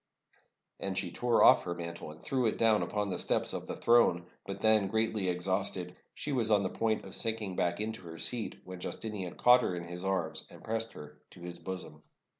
And she tore off her mantle and threw it down upon the steps of the throne. But then, greatly exhausted, she was on the point of sinking back into her seat, when Justinian caught her in his arms and pressed her to his bosom.